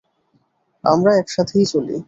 আমরা একসাথেই চলি।